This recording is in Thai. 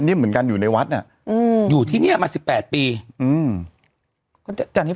นี่เหมือนกันอยู่ในวัดน่ะอืมอยู่ที่เนี้ยมาสิบแปดปีอืม